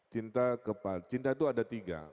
cinta kepala cinta itu ada tiga